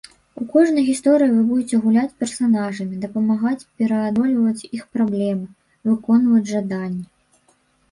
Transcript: У кожнай гісторыі вы будзеце гуляць персанажамі, дапамагаць пераадольваць іх праблемы, выконваць жаданні.